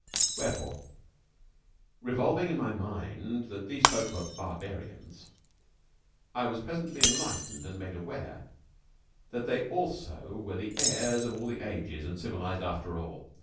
Wherefore, revolving in my mind that these folk were barbarians, I was presently enlightened and made aware that they also were the heirs of all the ages, and civilized after all.